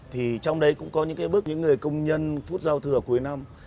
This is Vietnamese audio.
thì trong đấy cũng có những cái bước những người công nhân phút giao thừa cuối năm